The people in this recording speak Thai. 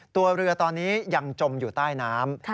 ตัวเรือตอนนี้ยังจมอยู่ใต้น้ำ